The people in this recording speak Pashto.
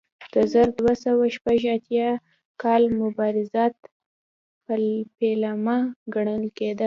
د زر دوه سوه شپږ اتیا کال مبارزات پیلامه ګڼل کېده.